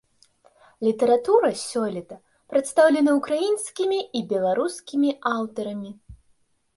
Літаратура сёлета прадстаўлена украінскімі і беларускімі аўтарамі.